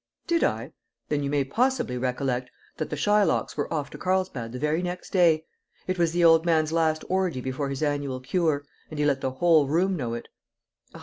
"Did I? Then you may possibly recollect that the Shylocks were off to Carlsbad the very next day. It was the old man's last orgy before his annual cure, and he let the whole room know it.